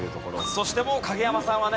そしてもう影山さんはね